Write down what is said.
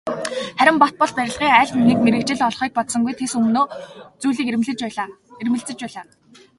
Харин Батболд барилгын аль нэг мэргэжил олохыг бодсонгүй, тэс өмнөө зүйлийг эрмэлзэж байлаа.